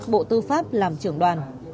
bộ tư pháp làm trưởng đoàn